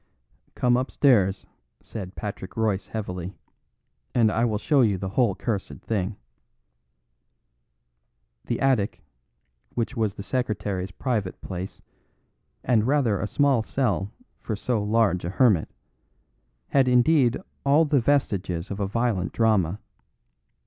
"Come upstairs," said Patrick Royce heavily, "and I will show you the whole cursed thing." The attic, which was the secretary's private place (and rather a small cell for so large a hermit), had indeed all the vestiges of a violent drama.